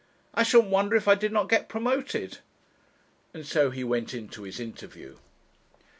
I shouldn't wonder if I did not get promoted;' and so he went in to his interview.